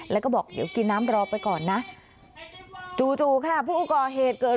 แล้วก็บอกเดี๋ยวกินน้ำรอไปก่อนนะจู่จู่ค่ะผู้ก่อเหตุเกิด